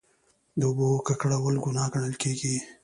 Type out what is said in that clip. د اوبو ککړول ګناه ګڼل کیږي.